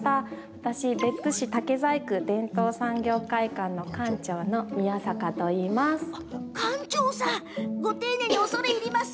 私、別府市竹細工伝統産業会館の館長の宮坂といいます。